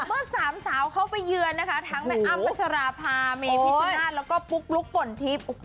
เมื่อสามสาวเข้าไปเยือนนะคะทั้งแม่อ้ำพัชราภาเมพิชนาธิ์แล้วก็ปุ๊กลุ๊กป่นทิพย์